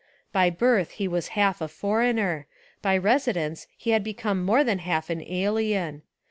By birth he was half a foreigner, by residence he had become more than half an ahen.